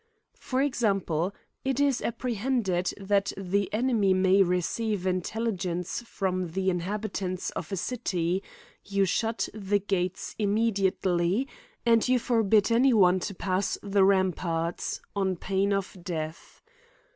For example ; it is apprehended that the enemy may receive intelligence from the inhabitants of a city ; you shut the gates immediately, and you forbid any one to pass the ramparts, on pain of death.